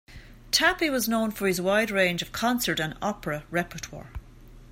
Tappy was known for his wide range of concert and opera repertoire.